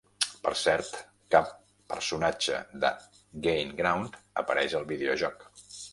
Per cert, cap personatge de "Gain Ground" apareix al videojoc.